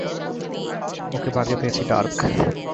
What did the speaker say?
ওকে বাগে পেয়েছি, ডার্ক।